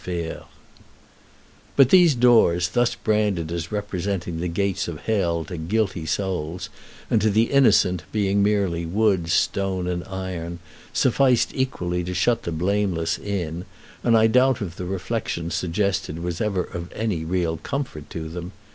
[Illustration: Germans at Montreux] But these doors, thus branded as representing the gates of hell to guilty souls, and to the innocent being merely wood, stone, and iron, sufficed equally to shut the blameless in, and I doubt if the reflection suggested was ever of any real comfort to them.